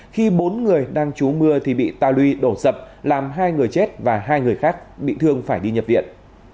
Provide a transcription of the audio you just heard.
khi bốn người đang trú mưa thì bị ta lui đổ dập làm hai người chết và hai người khác bị thương phải đi nhập viện